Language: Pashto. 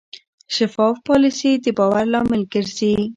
شفاف پالیسي د باور لامل ګرځي.